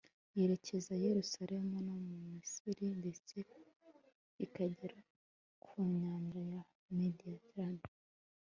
yerekeza i yerusalemu no mu misiri ndetse ikagera ku nyanja ya mediterane